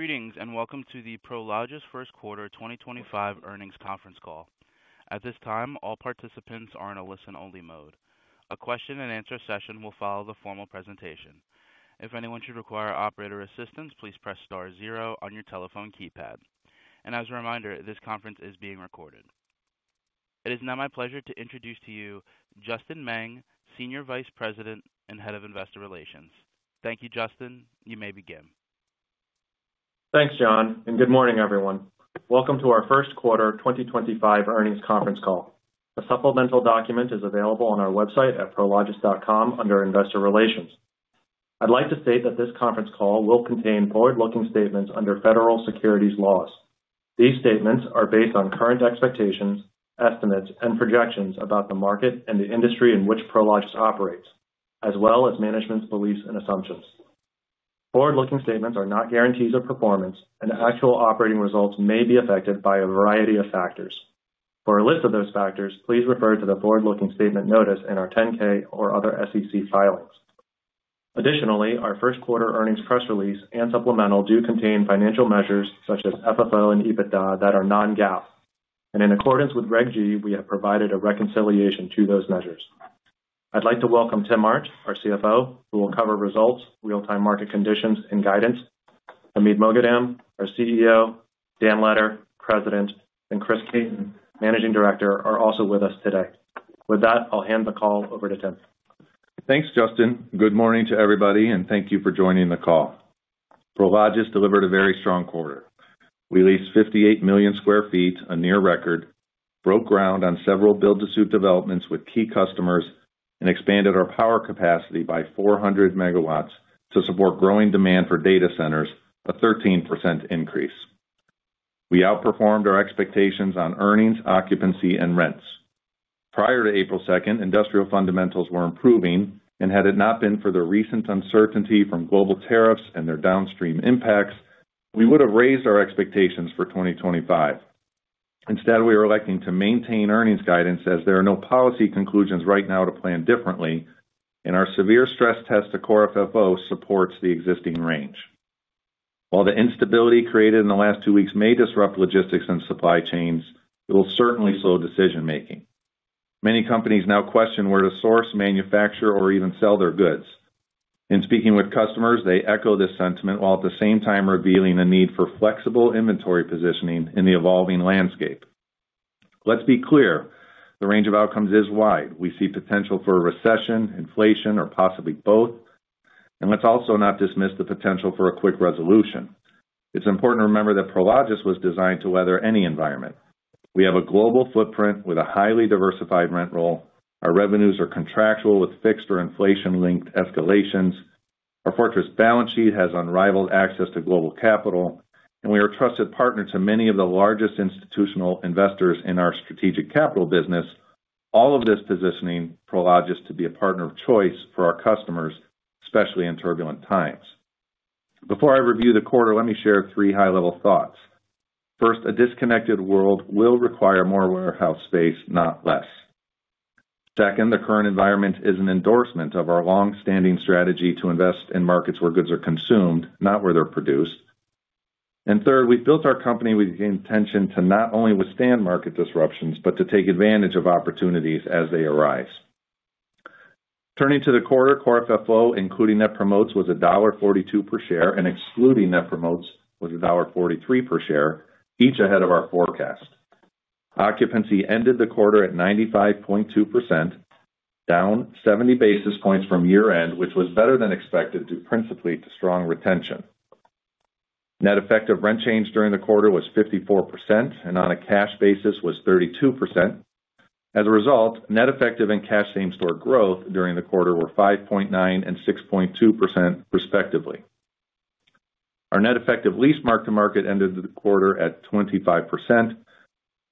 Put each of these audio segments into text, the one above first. Greetings and welcome to the Prologis First Quarter 2025 Earnings Conference Call. At this time, all participants are in a listen-only mode. A question-and-answer session will follow the formal presentation. If anyone should require operator assistance, please press star zero on your telephone keypad. As a reminder, this conference is being recorded. It is now my pleasure to introduce to you Justin Meng, Senior Vice President and Head of Investor Relations. Thank you, Justin. You may begin. Thanks, John, and good morning, everyone. Welcome to our First Quarter 2025 Earnings Conference Call. A supplemental document is available on our website at prologis.com under Investor Relations. I'd like to state that this conference call will contain forward-looking statements under federal securities laws. These statements are based on current expectations, estimates, and projections about the market and the industry in which Prologis operates, as well as management's beliefs and assumptions. Forward-looking statements are not guarantees of performance, and actual operating results may be affected by a variety of factors. For a list of those factors, please refer to the forward-looking statement notice in our 10-K or other SEC filings. Additionally, our first quarter earnings press release and supplemental do contain financial measures such as FFO and EBITDA that are non-GAAP. In accordance with Reg G, we have provided a reconciliation to those measures. I'd like to welcome Tim Arndt, our CFO, who will cover results, real-time market conditions, and guidance. Hamid Moghadam, our CEO, Dan Letter, President, and Chris Caton, Managing Director, are also with us today. With that, I'll hand the call over to Tim. Thanks, Justin. Good morning to everybody, and thank you for joining the call. Prologis delivered a very strong quarter. We leased 58 million sq ft, a near record, broke ground on several build-to-suit developments with key customers, and expanded our power capacity by 400 MW to support growing demand for data centers, a 13% increase. We outperformed our expectations on earnings, occupancy, and rents. Prior to April 2nd, industrial fundamentals were improving, and had it not been for the recent uncertainty from global tariffs and their downstream impacts, we would have raised our expectations for 2025. Instead, we are electing to maintain earnings guidance as there are no policy conclusions right now to plan differently, and our severe stress test to core FFO supports the existing range. While the instability created in the last two weeks may disrupt logistics and supply chains, it will certainly slow decision-making. Many companies now question where to source, manufacture, or even sell their goods. In speaking with customers, they echo this sentiment while at the same time revealing a need for flexible inventory positioning in the evolving landscape. Let's be clear, the range of outcomes is wide. We see potential for a recession, inflation, or possibly both. Let's also not dismiss the potential for a quick resolution. It's important to remember that Prologis was designed to weather any environment. We have a global footprint with a highly diversified rent roll. Our revenues are contractual with fixed or inflation-linked escalations. Our fortress balance sheet has unrivaled access to global capital, and we are a trusted partner to many of the largest institutional investors in our strategic capital business. All of this positions Prologis to be a partner of choice for our customers, especially in turbulent times. Before I review the quarter, let me share three high-level thoughts. First, a disconnected world will require more warehouse space, not less. Second, the current environment is an endorsement of our long-standing strategy to invest in markets where goods are consumed, not where they're produced. Third, we've built our company with the intention to not only withstand market disruptions, but to take advantage of opportunities as they arise. Turning to the quarter, core FFO, including Net Promotes, was $1.42 per share, and excluding Net Promotes was $1.43 per share, each ahead of our forecast. Occupancy ended the quarter at 95.2%, down 70 basis points from year-end, which was better than expected due principally to strong retention. Net effective rent change during the quarter was 54%, and on a cash basis was 32%. As a result, net effective and cash same-store growth during the quarter were 5.9% and 6.2%, respectively. Our net effective lease mark-to-market ended the quarter at 25%,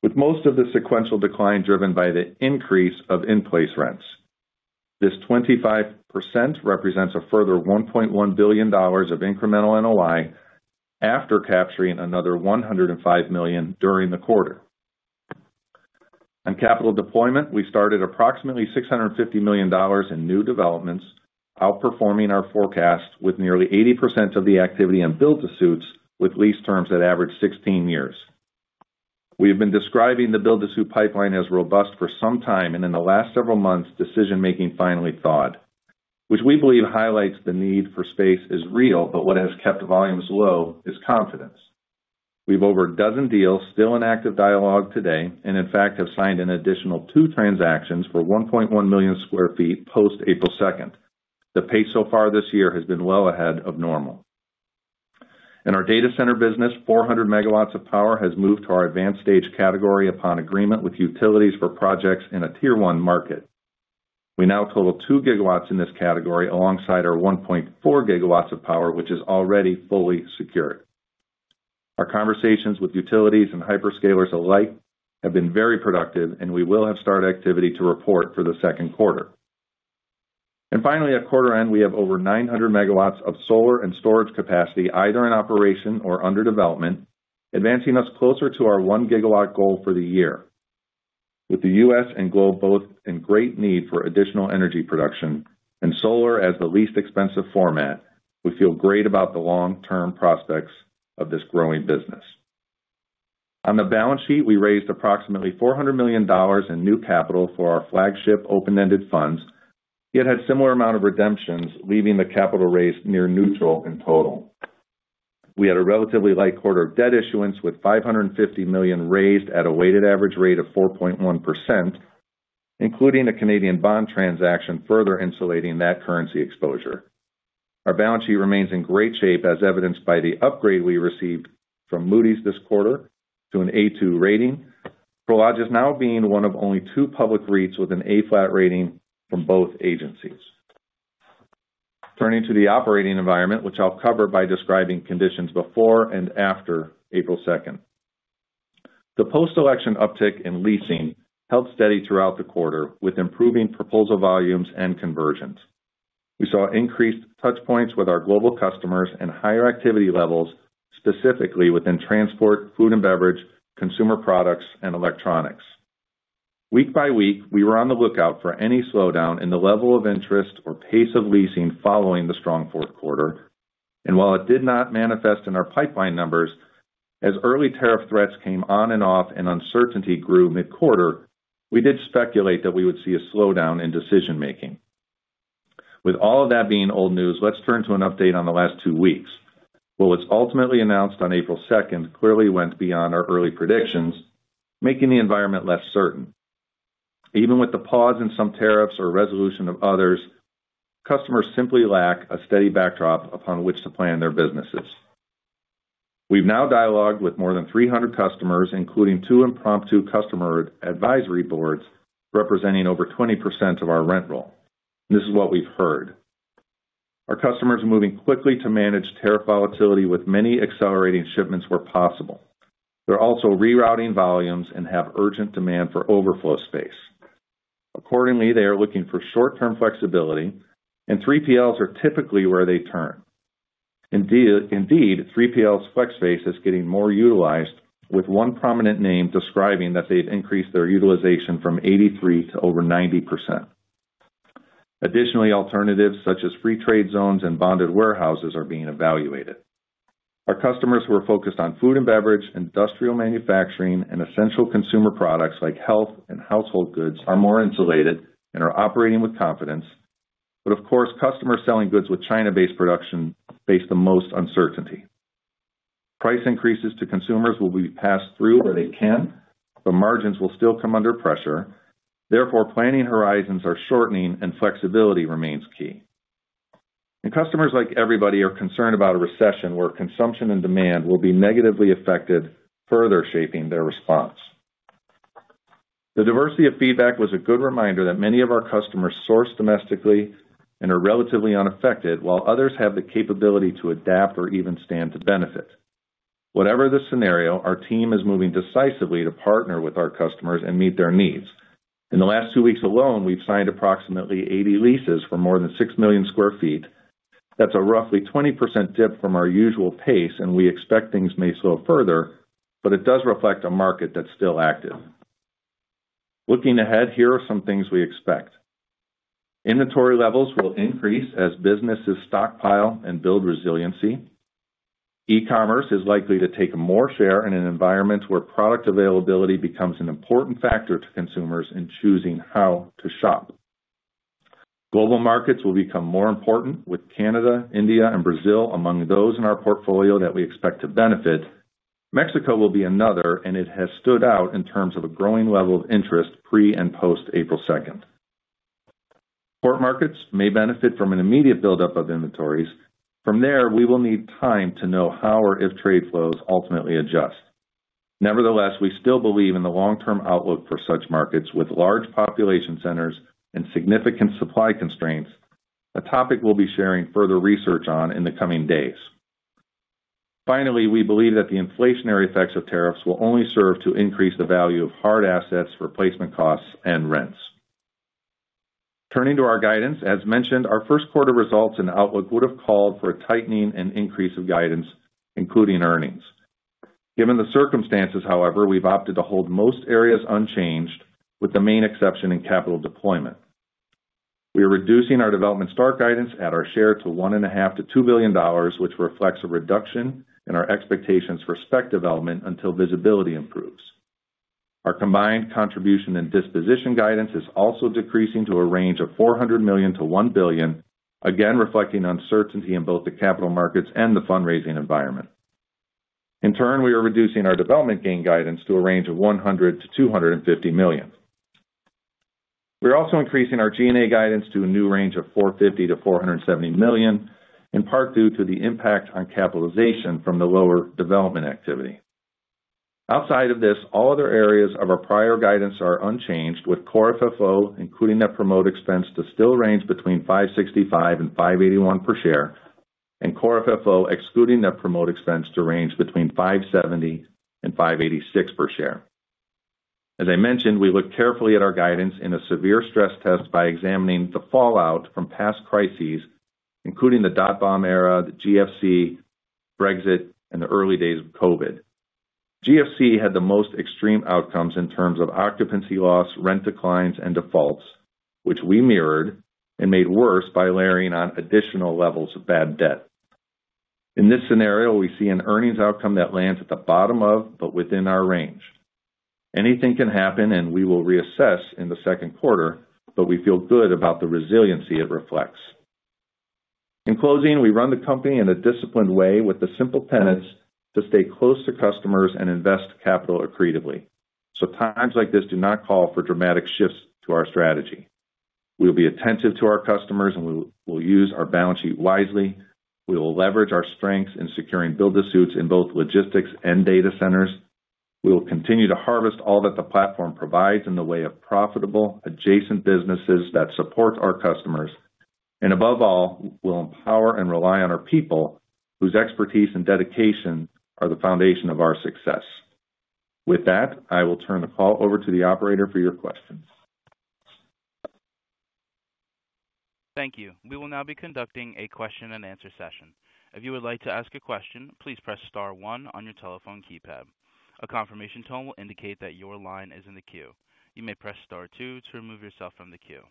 with most of the sequential decline driven by the increase of in-place rents. This 25% represents a further $1.1 billion of incremental NOI after capturing another $105 million during the quarter. On capital deployment, we started approximately $650 million in new developments, outperforming our forecast with nearly 80% of the activity in build-to-suits, with lease terms that average 16 years. We have been describing the build-to-suit pipeline as robust for some time, and in the last several months, decision-making finally thawed, which we believe highlights the need for space is real, but what has kept volumes low is confidence. We have over a dozen deals still in active dialogue today, and in fact, have signed an additional two transactions for 1.1 million sq ft post-April 2nd. The pace so far this year has been well ahead of normal. In our data center business, 400 MW of power has moved to our Advanced Stage category upon agreement with utilities for projects in a Tier 1 market. We now total 2 GW in this category alongside our 1.4 GW of power, which is already fully secured. Our conversations with utilities and hyperscalers alike have been very productive, and we will have start activity to report for the second quarter. Finally, at quarter end, we have over 900 MW of solar and storage capacity either in operation or under development, advancing us closer to our 1 GW goal for the year. With the U.S. and globe both in great need for additional energy production and solar as the least expensive format, we feel great about the long-term prospects of this growing business. On the balance sheet, we raised approximately $400 million in new capital for our flagship open-ended funds, yet had similar amount of redemptions, leaving the capital raised near neutral in total. We had a relatively light quarter of debt issuance with $550 million raised at a weighted average rate of 4.1%, including a Canadian bond transaction further insulating that currency exposure. Our balance sheet remains in great shape, as evidenced by the upgrade we received from Moody's this quarter to an A2 rating, Prologis now being one of only two public REITs with an A flat rating from both agencies. Turning to the operating environment, which I'll cover by describing conditions before and after April 2nd. The post-election uptick in leasing held steady throughout the quarter, with improving proposal volumes and conversions. We saw increased touchpoints with our global customers and higher activity levels, specifically within transport, food and beverage, consumer products, and electronics. Week by week, we were on the lookout for any slowdown in the level of interest or pace of leasing following the strong fourth quarter. While it did not manifest in our pipeline numbers, as early tariff threats came on and off and uncertainty grew mid-quarter, we did speculate that we would see a slowdown in decision-making. With all of that being old news, let's turn to an update on the last two weeks. What was ultimately announced on April 2nd clearly went beyond our early predictions, making the environment less certain. Even with the pause in some tariffs or resolution of others, customers simply lack a steady backdrop upon which to plan their businesses. We've now dialogued with more than 300 customers, including two impromptu customer advisory boards representing over 20% of our rent roll. This is what we've heard. Our customers are moving quickly to manage tariff volatility with many accelerating shipments where possible. They're also rerouting volumes and have urgent demand for overflow space. Accordingly, they are looking for short-term flexibility, and 3PLs are typically where they turn. Indeed, 3PLs' flex space is getting more utilized, with one prominent name describing that they've increased their utilization from 83% to over 90%. Additionally, alternatives such as free trade zones and bonded warehouses are being evaluated. Our customers who are focused on food and beverage, industrial manufacturing, and essential consumer products like health and household goods are more insulated and are operating with confidence. Of course, customers selling goods with China-based production face the most uncertainty. Price increases to consumers will be passed through where they can, but margins will still come under pressure. Therefore, planning horizons are shortening and flexibility remains key. Customers, like everybody, are concerned about a recession where consumption and demand will be negatively affected, further shaping their response. The diversity of feedback was a good reminder that many of our customers source domestically and are relatively unaffected, while others have the capability to adapt or even stand to benefit. Whatever the scenario, our team is moving decisively to partner with our customers and meet their needs. In the last two weeks alone, we've signed approximately 80 leases for more than 6 million sq ft. That's a roughly 20% dip from our usual pace, and we expect things may slow further, but it does reflect a market that's still active. Looking ahead, here are some things we expect. Inventory levels will increase as businesses stockpile and build resiliency. E-commerce is likely to take more share in an environment where product availability becomes an important factor to consumers in choosing how to shop. Global markets will become more important, with Canada, India, and Brazil among those in our portfolio that we expect to benefit. Mexico will be another, and it has stood out in terms of a growing level of interest pre and post-April 2nd. Port markets may benefit from an immediate buildup of inventories. From there, we will need time to know how or if trade flows ultimately adjust. Nevertheless, we still believe in the long-term outlook for such markets with large population centers and significant supply constraints, a topic we will be sharing further research on in the coming days. Finally, we believe that the inflationary effects of tariffs will only serve to increase the value of hard assets, replacement costs, and rents. Turning to our guidance, as mentioned, our first quarter results and outlook would have called for a tightening and increase of guidance, including earnings. Given the circumstances, however, we've opted to hold most areas unchanged, with the main exception in capital deployment. We are reducing our development start guidance at our share to $1.5 billion-$2 billion, which reflects a reduction in our expectations for spec development until visibility improves. Our combined contribution and disposition guidance is also decreasing to a range of $400 million-$1 billion, again reflecting uncertainty in both the capital markets and the fundraising environment. In turn, we are reducing our development gain guidance to a range of $100 million-$250 million. We're also increasing our G&A guidance to a new range of $450-$470 million, in part due to the impact on capitalization from the lower development activity. Outside of this, all other areas of our prior guidance are unchanged, with core FFO, including Net Promote Expense, to still range between $565 and $581 per share, and core FFO, excluding Net Promote Expense, to range between $570 and $586 per share. As I mentioned, we looked carefully at our guidance in a severe stress test by examining the fallout from past crises, including the dot-com era, the GFC, Brexit, and the early days of COVID. GFC had the most extreme outcomes in terms of occupancy loss, rent declines, and defaults, which we mirrored and made worse by layering on additional levels of bad debt. In this scenario, we see an earnings outcome that lands at the bottom of, but within our range. Anything can happen, and we will reassess in the second quarter, but we feel good about the resiliency it reflects. In closing, we run the company in a disciplined way with the simple tenets to stay close to customers and invest capital accretively. Times like this do not call for dramatic shifts to our strategy. We will be attentive to our customers, and we will use our balance sheet wisely. We will leverage our strengths in securing build-to-suits in both logistics and data centers. We will continue to harvest all that the platform provides in the way of profitable, adjacent businesses that support our customers. Above all, we'll empower and rely on our people whose expertise and dedication are the foundation of our success. With that, I will turn the call over to the operator for your questions. Thank you. We will now be conducting a question-and-answer session. If you would like to ask a question, please press star one on your telephone keypad. A confirmation tone will indicate that your line is in the queue. You may press star two to remove yourself from the queue.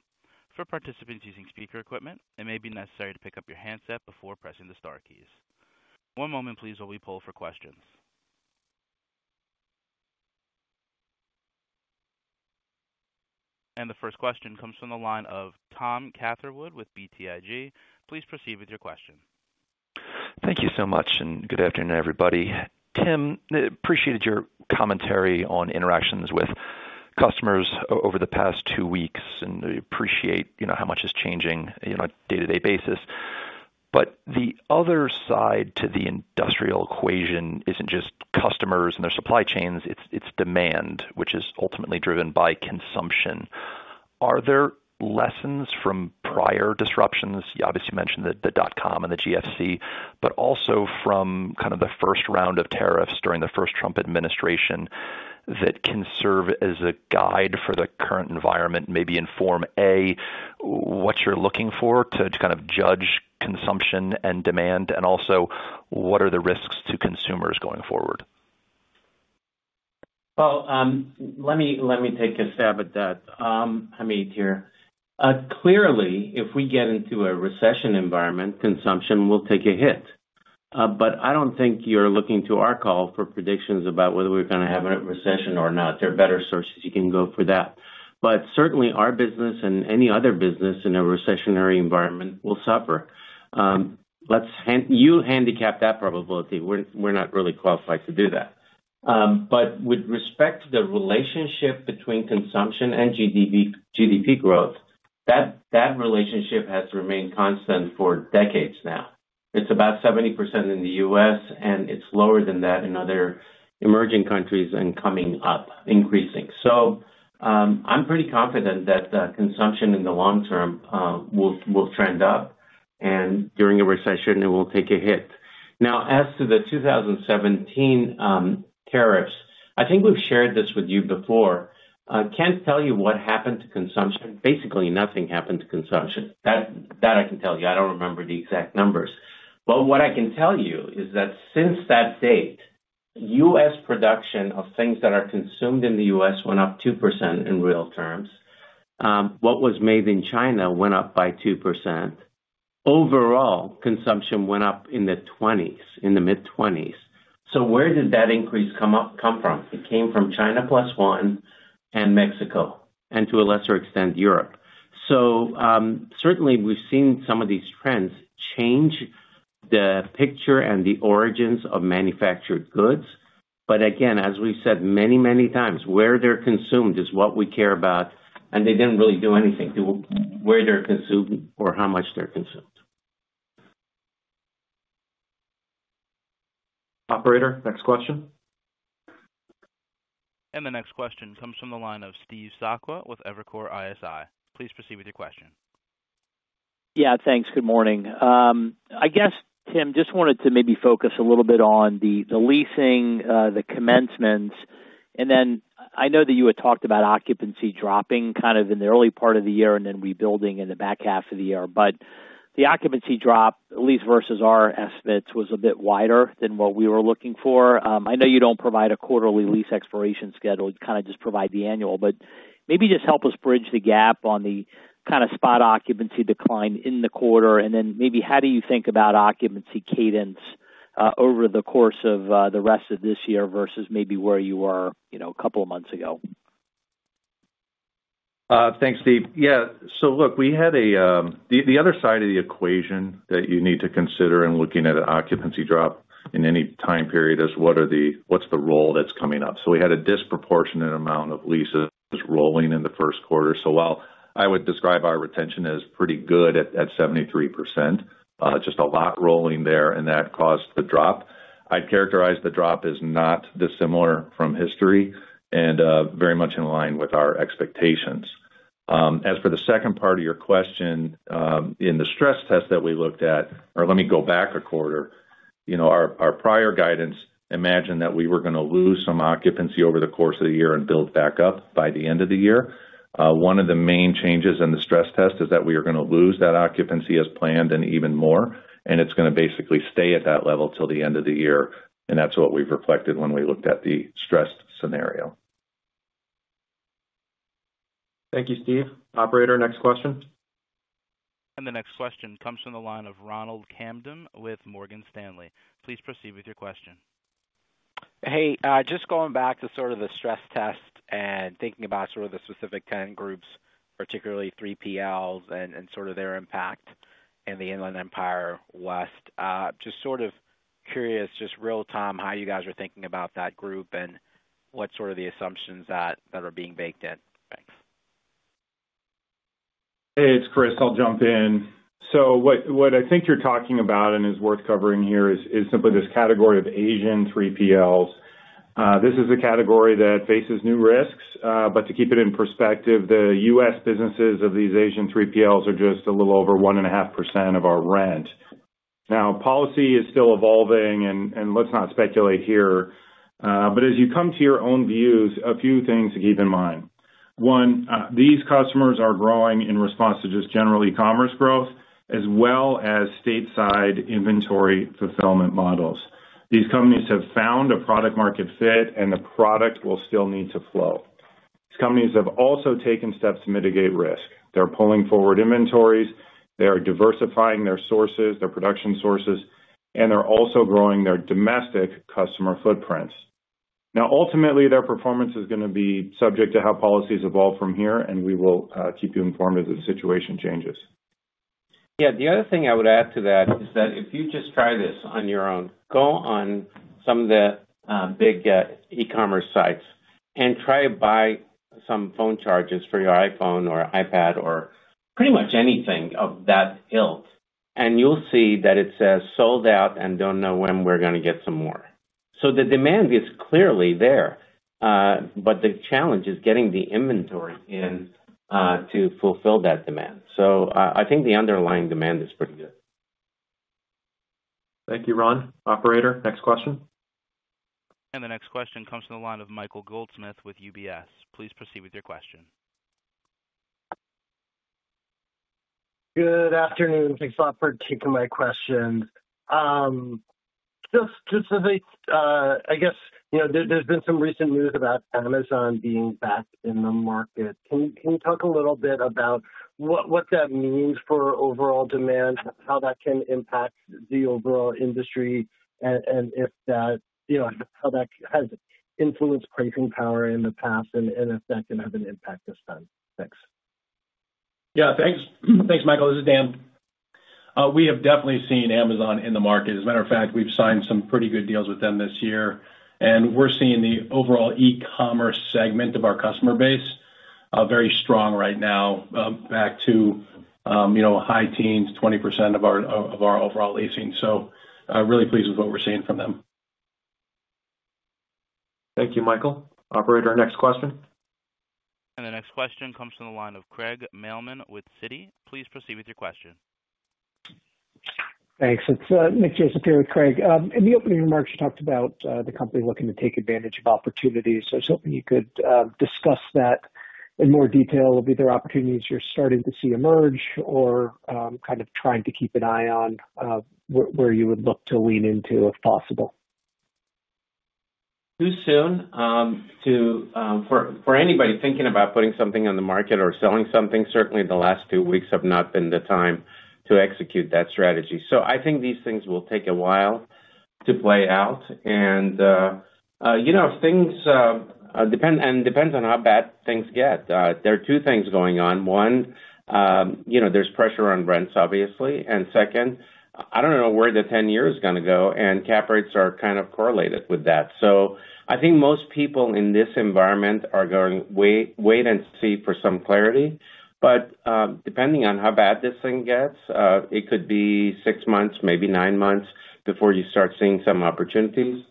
For participants using speaker equipment, it may be necessary to pick up your handset before pressing the star keys. One moment, please, while we pull for questions. The first question comes from the line of Tom Catherwood with BTIG. Please proceed with your question. Thank you so much, and good afternoon, everybody. Tim, I appreciated your commentary on interactions with customers over the past two weeks, and we appreciate how much it's changing on a day-to-day basis. The other side to the industrial equation isn't just customers and their supply chains; it's demand, which is ultimately driven by consumption. Are there lessons from prior disruptions? You obviously mentioned the dot-com and the GFC, but also from kind of the first round of tariffs during the first Trump administration that can serve as a guide for the current environment, maybe inform, A, what you're looking for to kind of judge consumption and demand, and also, what are the risks to consumers going forward? Let me take a stab at that. Hamid here. Clearly, if we get into a recession environment, consumption will take a hit. I don't think you're looking to our call for predictions about whether we're going to have a recession or not. There are better sources you can go for that. Certainly, our business and any other business in a recessionary environment will suffer. You handicap that probability. We're not really qualified to do that. With respect to the relationship between consumption and GDP growth, that relationship has remained constant for decades now. It's about 70% in the U.S., and it's lower than that in other emerging countries and coming up, increasing. I'm pretty confident that consumption in the long term will trend up, and during a recession, it will take a hit. Now, as to the 2017 tariffs, I think we've shared this with you before. Can't tell you what happened to consumption. Basically, nothing happened to consumption. That I can tell you. I don't remember the exact numbers. What I can tell you is that since that date, U.S. production of things that are consumed in the U.S. went up 2% in real terms. What was made in China went up by 2%. Overall, consumption went up in the mid-20s. Where did that increase come from? It came from China Plus One and Mexico, and to a lesser extent, Europe. Certainly, we've seen some of these trends change the picture and the origins of manufactured goods. Again, as we've said many, many times, where they're consumed is what we care about, and they didn't really do anything to where they're consumed or how much they're consumed. Operator, next question. The next question comes from the line of Steve Sakwa with Evercore ISI. Please proceed with your question. Yeah, thanks. Good morning. I guess, Tim, just wanted to maybe focus a little bit on the leasing, the commencements. I know that you had talked about occupancy dropping kind of in the early part of the year and then rebuilding in the back half of the year. The occupancy drop, at least versus our estimates, was a bit wider than what we were looking for. I know you do not provide a quarterly lease expiration schedule. You kind of just provide the annual. Maybe just help us bridge the gap on the kind of spot occupancy decline in the quarter. Maybe how do you think about occupancy cadence over the course of the rest of this year versus maybe where you were a couple of months ago? Thanks, Steve. Yeah. Look, we had the other side of the equation that you need to consider in looking at an occupancy drop in any time period is what's the roll that's coming up. We had a disproportionate amount of leases rolling in the first quarter. While I would describe our retention as pretty good at 73%, just a lot rolling there, and that caused the drop. I'd characterize the drop as not dissimilar from history and very much in line with our expectations. As for the second part of your question, in the stress test that we looked at, or let me go back a quarter, our prior guidance imagined that we were going to lose some occupancy over the course of the year and build back up by the end of the year. One of the main changes in the stress test is that we are going to lose that occupancy as planned and even more, and it is going to basically stay at that level till the end of the year. That is what we have reflected when we looked at the stressed scenario. Thank you, Steve. Operator, next question. The next question comes from the line of Ronald Kamdem with Morgan Stanley. Please proceed with your question. Hey, just going back to sort of the stress test and thinking about sort of the specific tenant groups, particularly 3PLs and sort of their impact in the Inland Empire West. Just sort of curious, just real-time, how you guys are thinking about that group and what sort of the assumptions that are being baked in. Thanks. Hey, it's Chris. I'll jump in. What I think you're talking about and is worth covering here is simply this category of Asian 3PLs. This is a category that faces new risks. To keep it in perspective, the U.S. businesses of these Asian 3PLs are just a little over 1.5% of our rent. Policy is still evolving, and let's not speculate here. As you come to your own views, a few things to keep in mind. One, these customers are growing in response to just general e-commerce growth as well as stateside inventory fulfillment models. These companies have found a product-market fit, and the product will still need to flow. These companies have also taken steps to mitigate risk. They're pulling forward inventories. They are diversifying their sources, their production sources, and they're also growing their domestic customer footprints. Now, ultimately, their performance is going to be subject to how policies evolve from here, and we will keep you informed as the situation changes. Yeah, the other thing I would add to that is that if you just try this on your own, go on some of the big e-commerce sites and try to buy some phone chargers for your iPhone or iPad or pretty much anything of that ilk, and you'll see that it says, "Sold out and don't know when we're going to get some more." The demand is clearly there, but the challenge is getting the inventory in to fulfill that demand. I think the underlying demand is pretty good. Thank you, Ron. Operator, next question. The next question comes from the line of Michael Goldsmith with UBS. Please proceed with your question. Good afternoon. Thanks a lot for taking my question. Just to say, I guess there's been some recent news about Amazon being back in the market. Can you talk a little bit about what that means for overall demand, how that can impact the overall industry, and if that, how that has influenced pricing power in the past and if that can have an impact this time? Thanks. Yeah, thanks. Thanks, Michael. This is Dan. We have definitely seen Amazon in the market. As a matter of fact, we've signed some pretty good deals with them this year. We're seeing the overall e-commerce segment of our customer base very strong right now, back to high teens, 20% of our overall leasing. Really pleased with what we're seeing from them. Thank you, Michael. Operator, next question. The next question comes from the line of Craig Mailman with Citi. Please proceed with your question. Thanks. It's Nick Joseph here with Craig. In the opening remarks, you talked about the company looking to take advantage of opportunities. I was hoping you could discuss that in more detail of either opportunities you're starting to see emerge or kind of trying to keep an eye on where you would look to lean into if possible. Too soon for anybody thinking about putting something on the market or selling something. Certainly, the last two weeks have not been the time to execute that strategy. I think these things will take a while to play out. Things depend on how bad things get. There are two things going on. One, there's pressure on rents, obviously. Second, I don't know where the 10-year is going to go, and cap rates are kind of correlated with that. I think most people in this environment are going, "Wait and see for some clarity." Depending on how bad this thing gets, it could be six months, maybe nine months before you start seeing some opportunities.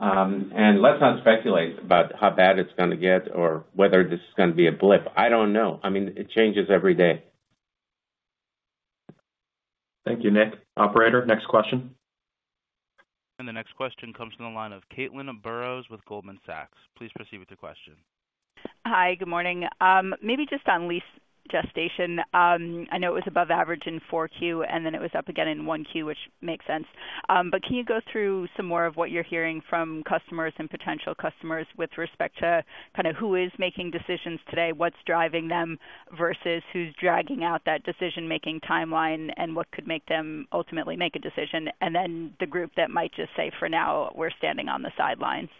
Let's not speculate about how bad it's going to get or whether this is going to be a blip. I don't know. I mean, it changes every day. Thank you, Nick. Operator, next question. The next question comes from the line of Caitlin Burrows with Goldman Sachs. Please proceed with your question. Hi, good morning. Maybe just on lease gestation. I know it was above average in 4Q, and then it was up again in 1Q, which makes sense. Can you go through some more of what you're hearing from customers and potential customers with respect to kind of who is making decisions today, what's driving them versus who's dragging out that decision-making timeline, and what could make them ultimately make a decision, and then the group that might just say, "For now, we're standing on the sidelines"?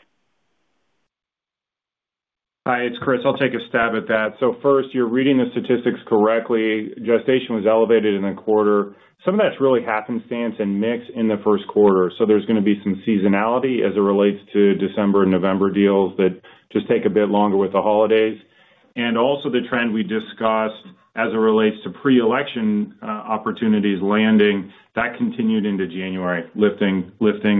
Hi, it's Chris. I'll take a stab at that. First, you're reading the statistics correctly. Gestation was elevated in the quarter. Some of that's really happenstance and mix in the first quarter. There is going to be some seasonality as it relates to December and November deals that just take a bit longer with the holidays. Also, the trend we discussed as it relates to pre-election opportunities landing, that continued into January, lifting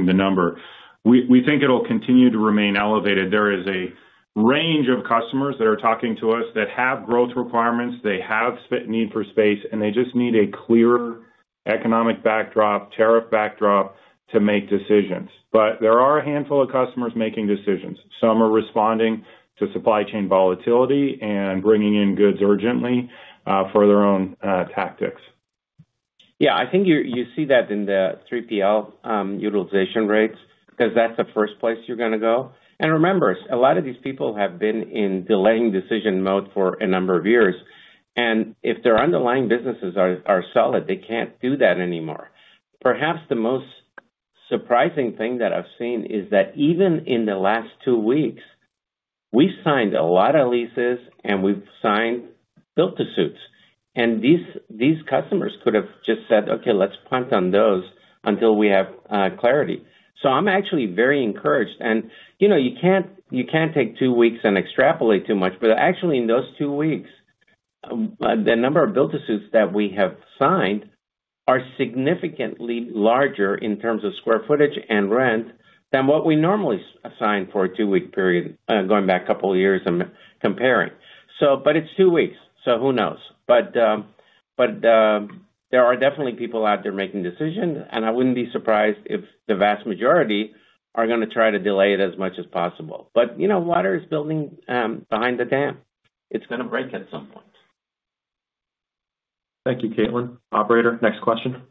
the number. We think it'll continue to remain elevated. There is a range of customers that are talking to us that have growth requirements. They have need for space, and they just need a clearer economic backdrop, tariff backdrop to make decisions. There are a handful of customers making decisions. Some are responding to supply chain volatility and bringing in goods urgently for their own tactics. Yeah, I think you see that in the 3PL utilization rates because that's the first place you're going to go. And remember, a lot of these people have been in delaying decision mode for a number of years. And if their underlying businesses are solid, they can't do that anymore. Perhaps the most surprising thing that I've seen is that even in the last two weeks, we signed a lot of leases, and we've signed build-to-suits. These customers could have just said, "Okay, let's punt on those until we have clarity." I'm actually very encouraged. You can't take two weeks and extrapolate too much. Actually, in those two weeks, the number of build-to-suits that we have signed are significantly larger in terms of square footage and rent than what we normally sign for a two-week period going back a couple of years and comparing. It is two weeks, so who knows? There are definitely people out there making decisions, and I would not be surprised if the vast majority are going to try to delay it as much as possible. Water is building behind the dam. It is going to break at some point. Thank you, Caitlin. Operator, next question.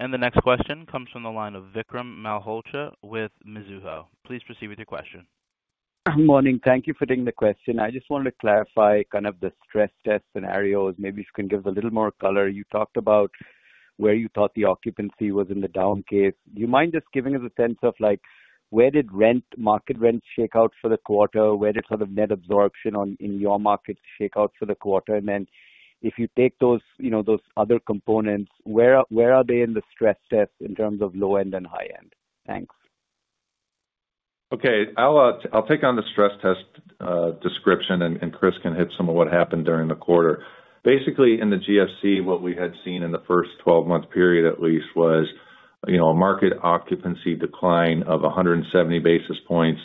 The next question comes from the line of Vikram Malhotra with Mizuho. Please proceed with your question. Morning. Thank you for taking the question. I just wanted to clarify kind of the stress test scenarios. Maybe if you can give a little more color. You talked about where you thought the occupancy was in the down case. Do you mind just giving us a sense of where did market rents shake out for the quarter? Where did sort of net absorption in your market shake out for the quarter? If you take those other components, where are they in the stress test in terms of low-end and high-end? Thanks. Okay. I'll take on the stress test description, and Chris can hit some of what happened during the quarter. Basically, in the GFC, what we had seen in the first 12-month period at least was a market occupancy decline of 170 basis points.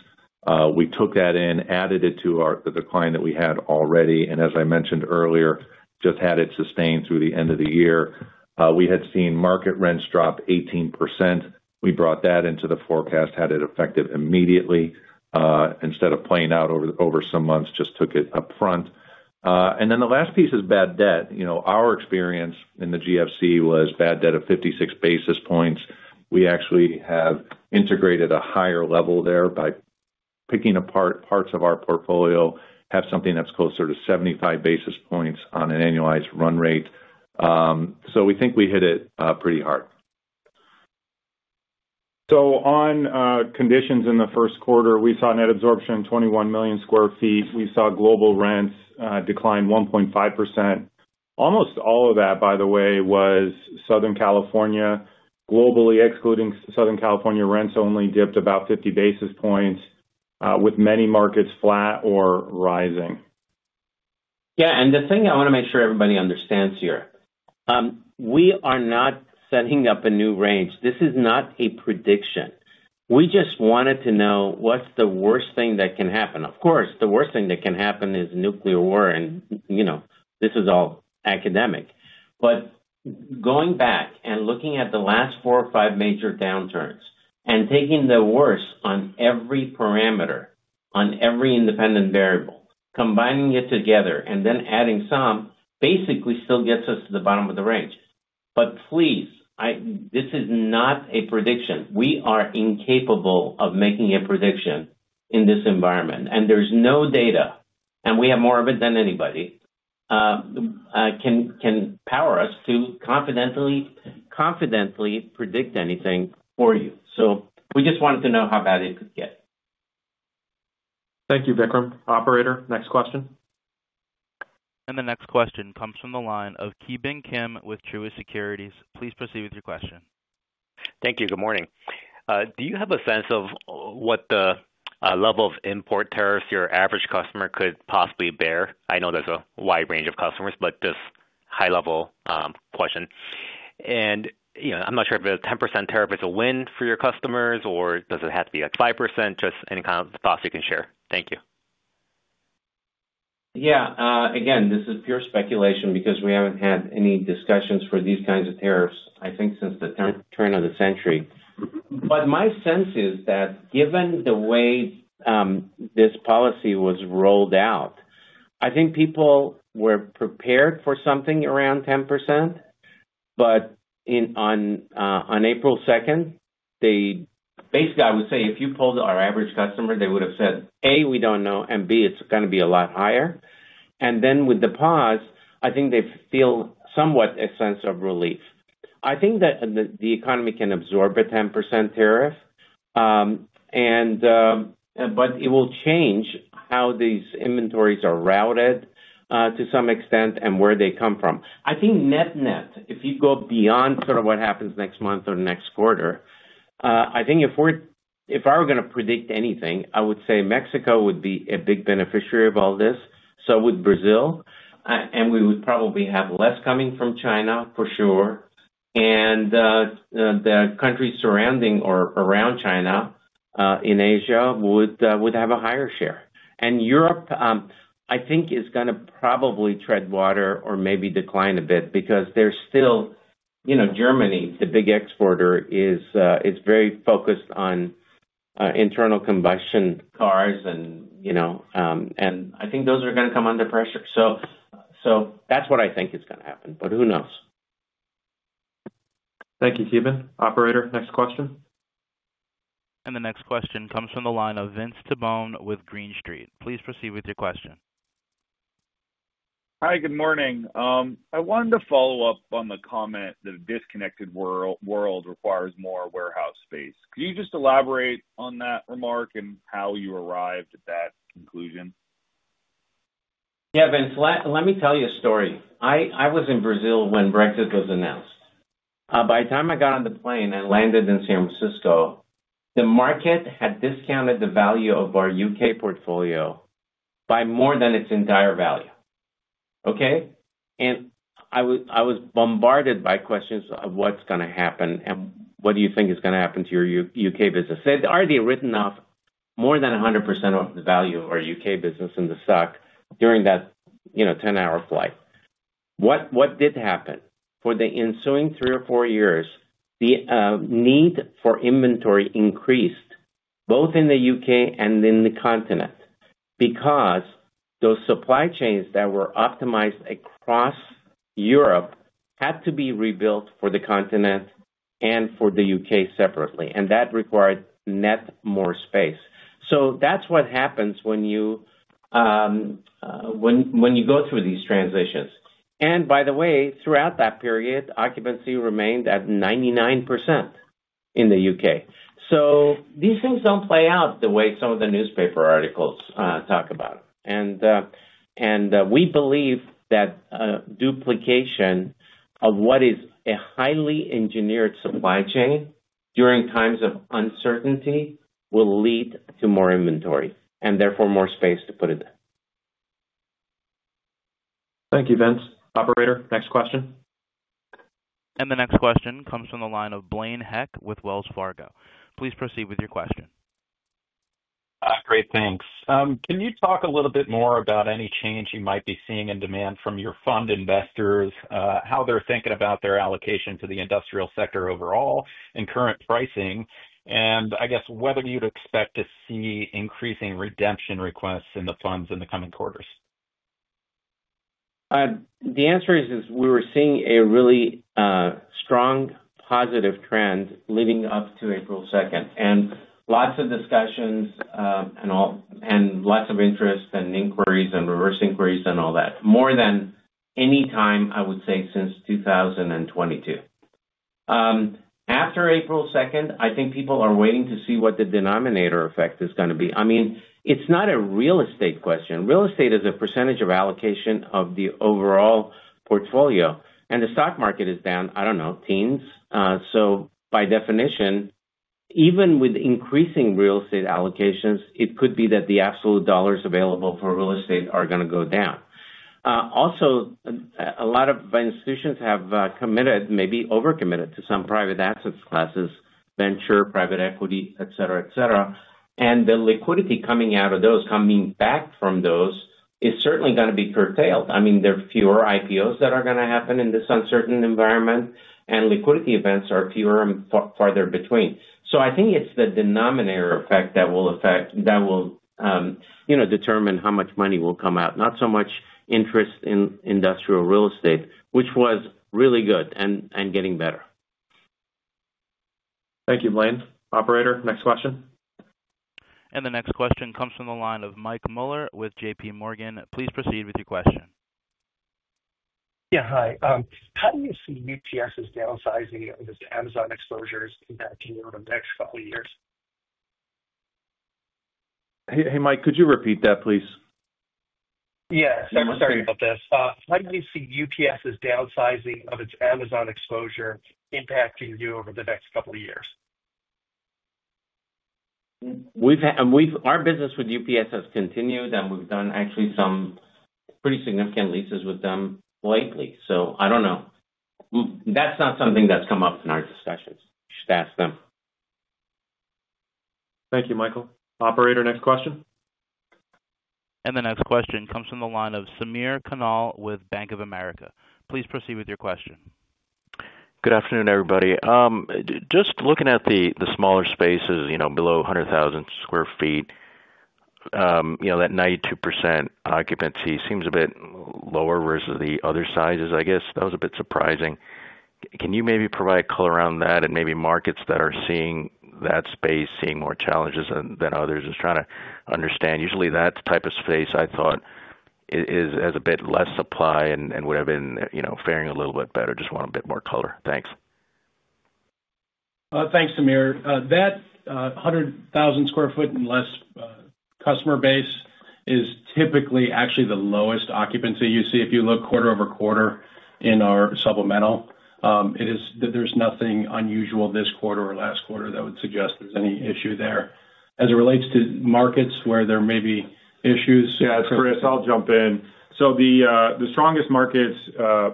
We took that in, added it to the decline that we had already, and as I mentioned earlier, just had it sustained through the end of the year. We had seen market rents drop 18%. We brought that into the forecast, had it affected immediately. Instead of playing out over some months, just took it upfront. The last piece is bad debt. Our experience in the GFC was bad debt of 56 basis points. We actually have integrated a higher level there by picking apart parts of our portfolio, have something that's closer to 75 basis points on an annualized run rate. We think we hit it pretty hard. On conditions in the first quarter, we saw net absorption 21 million sq ft. We saw global rents decline 1.5%. Almost all of that, by the way, was Southern California. Globally, excluding Southern California, rents only dipped about 50 basis points, with many markets flat or rising. Yeah. The thing I want to make sure everybody understands here, we are not setting up a new range. This is not a prediction. We just wanted to know what's the worst thing that can happen. Of course, the worst thing that can happen is nuclear war, and this is all academic. Going back and looking at the last four or five major downturns and taking the worst on every parameter, on every independent variable, combining it together and then adding some, basically still gets us to the bottom of the range. Please, this is not a prediction. We are incapable of making a prediction in this environment. There is no data, and we have more of it than anybody, that can power us to confidently predict anything for you. We just wanted to know how bad it could get. Thank you, Vikram. Operator, next question. The next question comes from the line of Ki Bin Kim with Truist Securities. Please proceed with your question. Thank you. Good morning. Do you have a sense of what the level of import tariffs your average customer could possibly bear? I know there's a wide range of customers, but just high-level question. I'm not sure if a 10% tariff is a win for your customers, or does it have to be like 5%? Just any kind of thoughts you can share. Thank you. Yeah. Again, this is pure speculation because we haven't had any discussions for these kinds of tariffs, I think, since the turn of the century. My sense is that given the way this policy was rolled out, I think people were prepared for something around 10%. On April 2nd, the base guy would say, "If you polled our average customer, they would have said, 'A', we don't know, and 'B', it's going to be a lot higher.'" With the pause, I think they feel somewhat a sense of relief. I think that the economy can absorb a 10% tariff, but it will change how these inventories are routed to some extent and where they come from. I think net-net, if you go beyond sort of what happens next month or next quarter, I think if I were going to predict anything, I would say Mexico would be a big beneficiary of all this. So would Brazil. And we would probably have less coming from China, for sure. And the countries surrounding or around China in Asia would have a higher share. Europe, I think, is going to probably tread water or maybe decline a bit because there is still Germany, the big exporter, is very focused on internal combustion cars. I think those are going to come under pressure. That is what I think is going to happen, but who knows? Thank you, Ki Bin. Operator, next question. The next question comes from the line of Vince Tibone with Green Street. Please proceed with your question. Hi, good morning. I wanted to follow up on the comment that a disconnected world requires more warehouse space. Can you just elaborate on that remark and how you arrived at that conclusion? Yeah, Vince. Let me tell you a story. I was in Brazil when Brexit was announced. By the time I got on the plane and landed in San Francisco, the market had discounted the value of our U.K. portfolio by more than its entire value. Okay? I was bombarded by questions of what's going to happen and what do you think is going to happen to your U.K. business. They had already written off more than 100% of the value of our U.K. business in the stock during that 10-hour flight. What did happen? For the ensuing three or four years, the need for inventory increased both in the U.K. and in the continent because those supply chains that were optimized across Europe had to be rebuilt for the continent and for the U.K. separately. That required net more space. That is what happens when you go through these transitions. By the way, throughout that period, occupancy remained at 99% in the U.K. These things do not play out the way some of the newspaper articles talk about. We believe that duplication of what is a highly engineered supply chain during times of uncertainty will lead to more inventory and therefore more space to put it in. Thank you, Vince. Operator, next question. The next question comes from the line of Blaine Heck with Wells Fargo. Please proceed with your question. Great. Thanks. Can you talk a little bit more about any change you might be seeing in demand from your fund investors, how they're thinking about their allocation to the industrial sector overall and current pricing, and I guess whether you'd expect to see increasing redemption requests in the funds in the coming quarters? The answer is we were seeing a really strong positive trend leading up to April 2nd. Lots of discussions and lots of interest and inquiries and reverse inquiries and all that, more than any time, I would say, since 2022. After April 2nd, I think people are waiting to see what the denominator effect is going to be. I mean, it's not a real estate question. Real estate is a percentage of allocation of the overall portfolio. The stock market is down, I don't know, teens. By definition, even with increasing real estate allocations, it could be that the absolute dollars available for real estate are going to go down. Also, a lot of institutions have committed, maybe overcommitted to some private assets classes, venture, private equity, etc., etc. The liquidity coming out of those, coming back from those, is certainly going to be curtailed. I mean, there are fewer IPOs that are going to happen in this uncertain environment, and liquidity events are fewer and farther between. I think it's the denominator effect that will determine how much money will come out, not so much interest in industrial real estate, which was really good and getting better. Thank you, Blaine. Operator, next question. The next question comes from the line of Mike Mueller with JPMorgan. Please proceed with your question. Yeah. Hi. How do you see UPS's downsizing of its Amazon exposures impacting you over the next couple of years? Hey, Mike, could you repeat that, please? Yeah. Sorry about this. How do you see UPS's downsizing of its Amazon exposure impacting you over the next couple of years? Our business with UPS has continued, and we've done actually some pretty significant leases with them lately. I don't know. That's not something that's come up in our discussions. You should ask them. Thank you, Michael. Operator, next question. The next question comes from the line of Samir Khanal with Bank of America. Please proceed with your question. Good afternoon, everybody. Just looking at the smaller spaces, below 100,000 sq ft, that 92% occupancy seems a bit lower versus the other sizes, I guess. That was a bit surprising. Can you maybe provide color around that and maybe markets that are seeing that space, seeing more challenges than others? Just trying to understand. Usually, that type of space, I thought, has a bit less supply and would have been faring a little bit better. Just want a bit more color. Thanks. Thanks, Samir. That 100,000 square foot and less customer base is typically actually the lowest occupancy you see if you look quarter over quarter in our supplemental. There's nothing unusual this quarter or last quarter that would suggest there's any issue there. As it relates to markets where there may be issues. Yeah. Chris, I'll jump in. The strongest markets,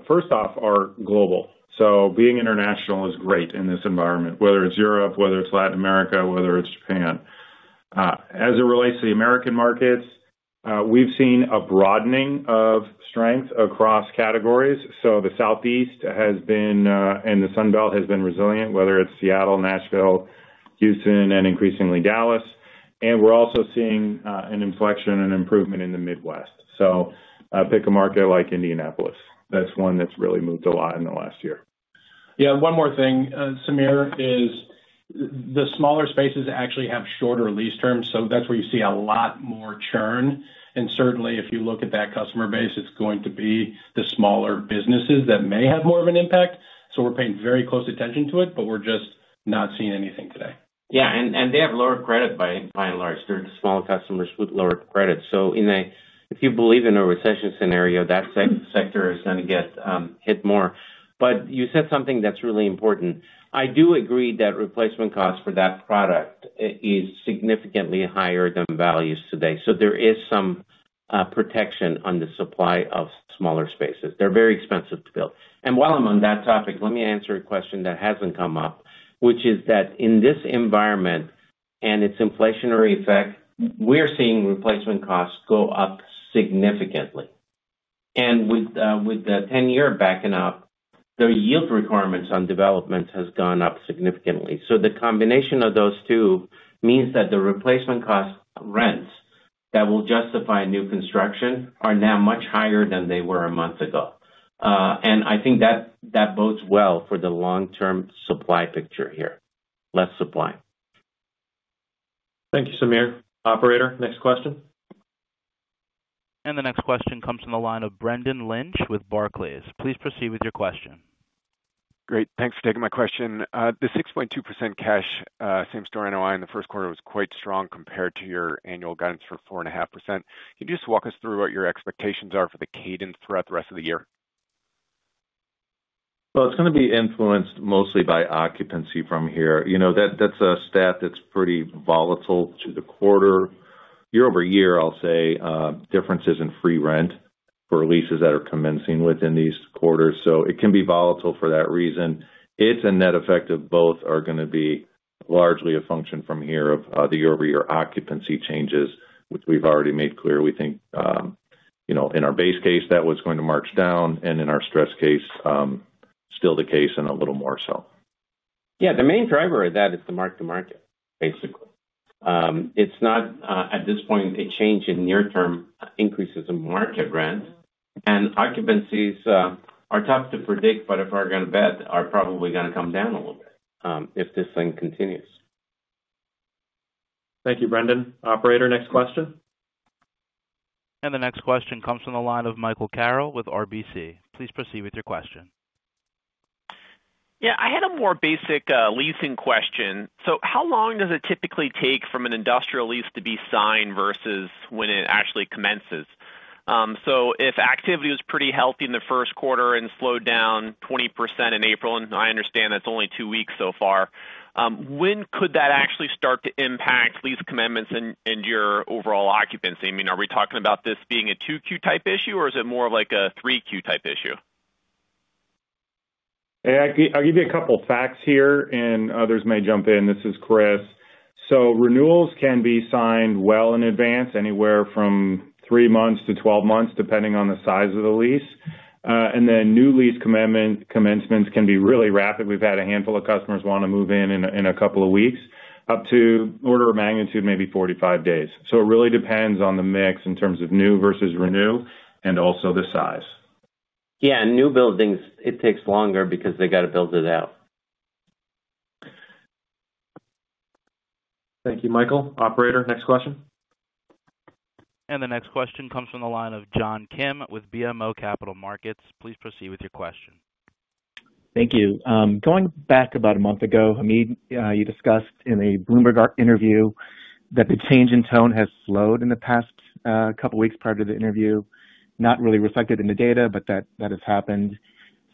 first off, are global. Being international is great in this environment, whether it's Europe, whether it's Latin America, whether it's Japan. As it relates to the American markets, we've seen a broadening of strength across categories. The Southeast has been and the Sunbelt has been resilient, whether it's Seattle, Nashville, Houston, and increasingly Dallas. We're also seeing an inflection and improvement in the Midwest. Pick a market like Indianapolis. That's one that's really moved a lot in the last year. Yeah. One more thing, Samir, is the smaller spaces actually have shorter lease terms. That's where you see a lot more churn. Certainly, if you look at that customer base, it's going to be the smaller businesses that may have more of an impact. We're paying very close attention to it, but we're just not seeing anything today. Yeah. They have lower credit, by and large. They're the small customers with lower credit. If you believe in a recession scenario, that sector is going to get hit more. You said something that's really important. I do agree that replacement costs for that product is significantly higher than values today. There is some protection on the supply of smaller spaces. They're very expensive to build. While I'm on that topic, let me answer a question that hasn't come up, which is that in this environment and its inflationary effect, we're seeing replacement costs go up significantly. With the 10-year backing up, the yield requirements on developments have gone up significantly. The combination of those two means that the replacement cost rents that will justify new construction are now much higher than they were a month ago. I think that bodes well for the long-term supply picture here. Less supply. Thank you, Samir. Operator, next question. The next question comes from the line of Brendan Lynch with Barclays. Please proceed with your question. Great. Thanks for taking my question. The 6.2% cash, same store NOI in the first quarter was quite strong compared to your annual guidance for 4.5%. Can you just walk us through what your expectations are for the cadence throughout the rest of the year? It's going to be influenced mostly by occupancy from here. That's a stat that's pretty volatile to the quarter. Year over year, I'll say, differences in free rent for leases that are commencing within these quarters. So it can be volatile for that reason. Its net effect of both are going to be largely a function from here of the year-over-year occupancy changes, which we've already made clear. We think in our base case, that was going to march down, and in our stress case, still the case and a little more so. Yeah. The main driver of that is the mark-to-market, basically. It's not, at this point, a change in near-term increases in market rent. Occupancies are tough to predict, but if we're going to bet, are probably going to come down a little bit if this thing continues. Thank you, Brendan. Operator, next question. The next question comes from the line of Michael Carroll with RBC. Please proceed with your question. Yeah. I had a more basic leasing question. How long does it typically take from an industrial lease to be signed versus when it actually commences? If activity was pretty healthy in the first quarter and slowed down 20% in April, and I understand that's only two weeks so far, when could that actually start to impact lease commitments and your overall occupancy? I mean, are we talking about this being a 2Q type issue, or is it more of like a 3Q type issue? I'll give you a couple of facts here, and others may jump in. This is Chris. Renewals can be signed well in advance, anywhere from three months to 12 months, depending on the size of the lease. New lease commencements can be really rapid. We've had a handful of customers want to move in in a couple of weeks, up to order of magnitude, maybe 45 days. It really depends on the mix in terms of new versus renew and also the size. Yeah. New buildings, it takes longer because they got to build it out. Thank you, Michael. Operator, next question. The next question comes from the line of John Kim with BMO Capital Markets. Please proceed with your question. Thank you. Going back about a month ago, Hamid, you discussed in a Bloomberg interview that the change in tone has slowed in the past couple of weeks prior to the interview. Not really reflected in the data, but that has happened.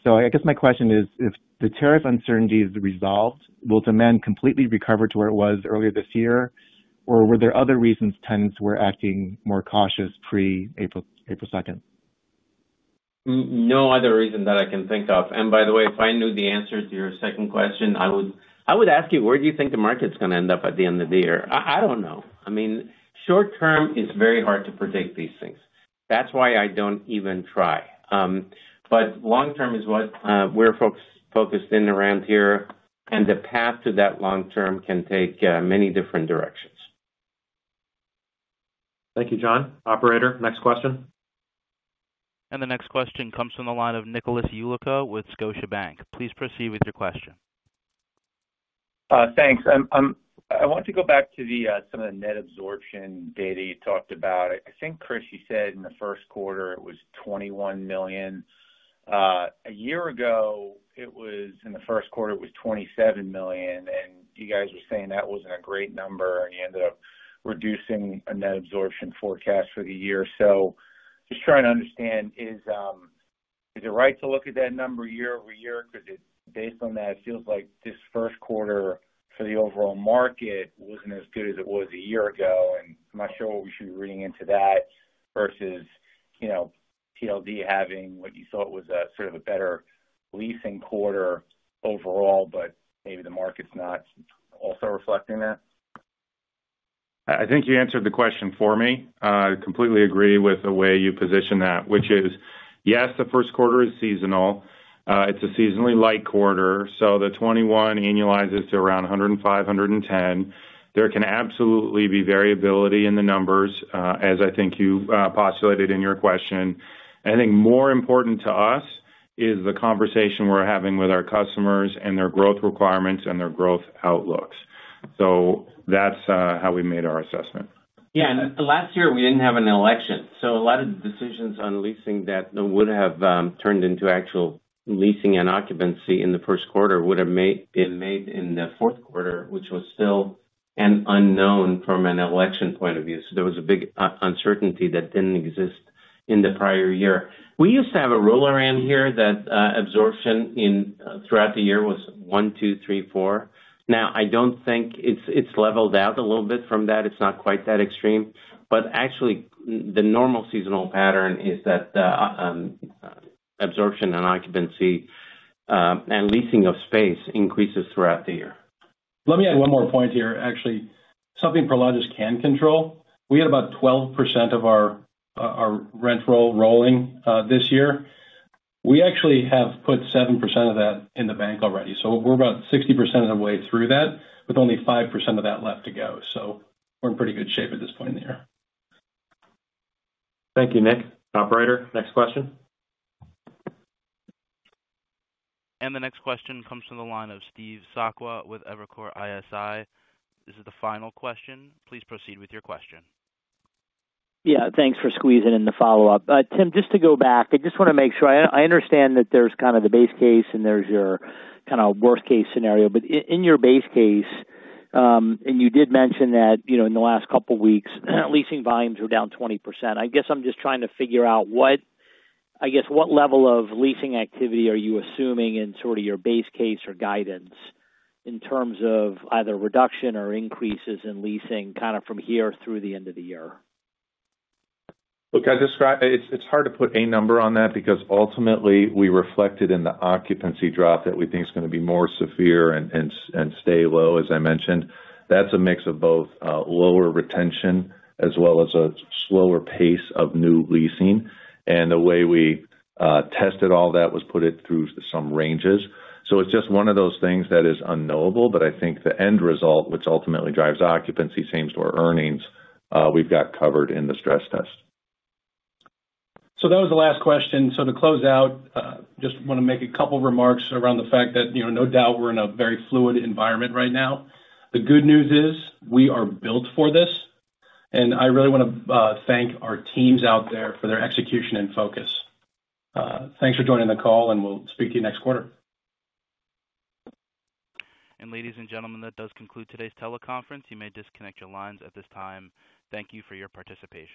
I guess my question is, if the tariff uncertainty is resolved, will demand completely recover to where it was earlier this year, or were there other reasons tenants were acting more cautious pre-April 2nd? No other reason that I can think of. By the way, if I knew the answer to your second question, I would ask you, where do you think the market's going to end up at the end of the year? I don't know. I mean, short-term, it's very hard to predict these things. That's why I don't even try. Long-term is what we're focused in around here, and the path to that long-term can take many different directions. Thank you, John. Operator, next question. The next question comes from the line of Nicholas Yulico with Scotiabank. Please proceed with your question. Thanks. I want to go back to some of the net absorption data you talked about. I think, Chris, you said in the first quarter it was 21 million. A year ago, in the first quarter, it was 27 million, and you guys were saying that was not a great number, and you ended up reducing a net absorption forecast for the year. Just trying to understand, is it right to look at that number year-over-year? Because based on that, it feels like this first quarter for the overall market was not as good as it was a year ago, and I am not sure what we should be reading into that versus PLD having what you thought was sort of a better leasing quarter overall, but maybe the market is not also reflecting that? I think you answered the question for me. I completely agree with the way you position that, which is, yes, the first quarter is seasonal. It's a seasonally light quarter. The 21 annualizes to around $105 million-$110 million. There can absolutely be variability in the numbers, as I think you postulated in your question. I think more important to us is the conversation we're having with our customers and their growth requirements and their growth outlooks. That's how we made our assessment. Yeah. Last year, we didn't have an election. A lot of decisions on leasing that would have turned into actual leasing and occupancy in the first quarter would have been made in the fourth quarter, which was still an unknown from an election point of view. There was a big uncertainty that didn't exist in the prior year. We used to have a rule of thumb in here that absorption throughout the year was one, two, three, four. Now, I don't think it's leveled out a little bit from that. It's not quite that extreme. Actually, the normal seasonal pattern is that absorption and occupancy and leasing of space increases throughout the year. Let me add one more point here. Actually, something Prologis can control. We had about 12% of our rent roll rolling this year. We actually have put 7% of that in the bank already. We are about 60% of the way through that with only 5% of that left to go. We are in pretty good shape at this point in the year. Thank you, Nick. Operator, next question. The next question comes from the line of Steve Sakwa with Evercore ISI. This is the final question. Please proceed with your question. Yeah. Thanks for squeezing in the follow-up. Tim, just to go back, I just want to make sure. I understand that there's kind of the base case and there's your kind of worst-case scenario. In your base case, and you did mention that in the last couple of weeks, leasing volumes were down 20%. I guess I'm just trying to figure out, I guess, what level of leasing activity are you assuming in sort of your base case or guidance in terms of either reduction or increases in leasing kind of from here through the end of the year? Look, it's hard to put a number on that because ultimately, we reflected in the occupancy drop that we think is going to be more severe and stay low, as I mentioned. That is a mix of both lower retention as well as a slower pace of new leasing. The way we tested all that was put it through some ranges. It is just one of those things that is unknowable, but I think the end result, which ultimately drives occupancy, same-store earnings, we've got covered in the stress test. That was the last question. To close out, just want to make a couple of remarks around the fact that no doubt we're in a very fluid environment right now. The good news is we are built for this. I really want to thank our teams out there for their execution and focus. Thanks for joining the call, and we'll speak to you next quarter. Ladies and gentlemen, that does conclude today's teleconference. You may disconnect your lines at this time. Thank you for your participation.